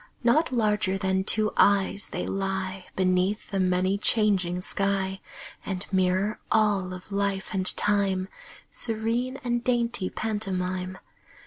Not larger than two eyes, they lie Beneath the many changing sky And mirror all of life and time, Serene and dainty pantomime.